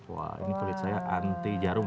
wah ini kulit saya anti jarum